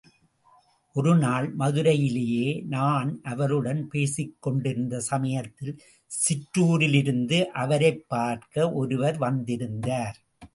ஒருநாள் மதுரையிலே நான் அவருடன் பேசிக் கொண்டிருந்த சமயத்தில், சிற்றுாரிலிருந்து அவரைப் பார்க்க ஒருவர் வந்திருந்தார்.